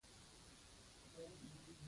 فلم د روڼ اندۍ پیغام ورکوي